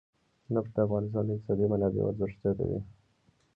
نفت د افغانستان د اقتصادي منابعو ارزښت زیاتوي.